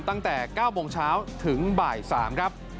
ตั้งแต่๙โมงเช้าถึงบ่าย๓ครับ